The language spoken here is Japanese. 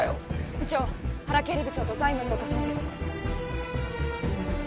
部長原経理部長と財務の太田さんです